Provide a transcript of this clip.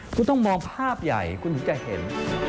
คุณต้องมองภาพใหญ่คุณถึงจะเห็น